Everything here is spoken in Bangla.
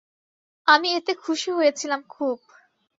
আমি এতে খুশি হয়েছিলাম খুব।